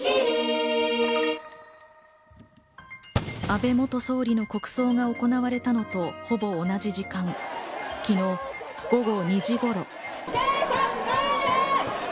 安倍元総理の国葬が行われたのとほぼ同じ時間、昨日午後２時頃。